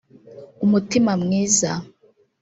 umutima mwiza